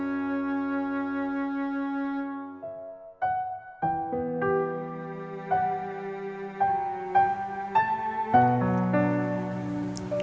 aku mau jemput